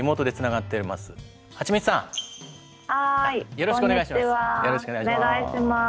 よろしくお願いします。